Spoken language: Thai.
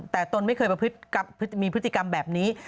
แต่ตนไม่เคยมีพฤติกรรมแบบนี้